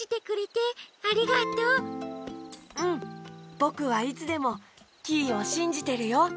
ぼくはいつでもキイをしんじてるよ！